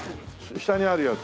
下にあるやつ？